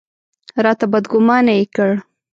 راته بدګومانه یې کړ.